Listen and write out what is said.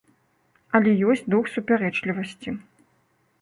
Але ёсць дух супярэчлівасці.